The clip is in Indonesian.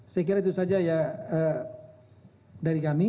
saya kira itu saja ya dari kami